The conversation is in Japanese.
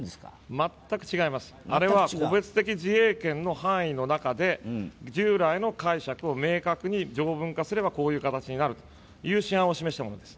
全く違います、あれは個別的自衛権の範囲の中で従来の解釈を明確に条文化すればこうなると示したものです。